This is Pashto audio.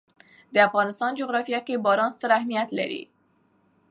د افغانستان جغرافیه کې باران ستر اهمیت لري.